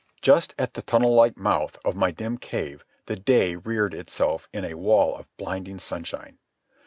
Just at the tunnel like mouth of my dim cave the day reared itself in a wall of blinding sunshine.